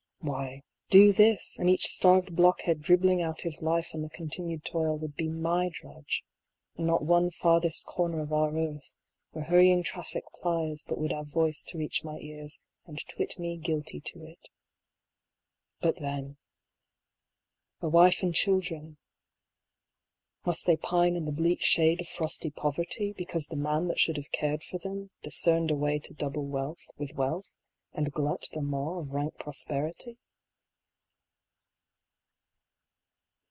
Why, do this, and each starved blockhead dribbling out his life AN INVENTOR. 123 on the continued toil would be my drudge, and not one farthest corner of our earth where hurrying traffic plies but would have voice to reach my ears and twit me guilty to it. But then, the wife and children : must they pine in the bleak shade of frosty poverty, because the man that should have cared for them discerned a way to double wealth with wealth and glut the maw of rank prosperity?